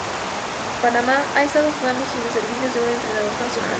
Panamá ha estado jugando sin los servicios de un entrenador nacional.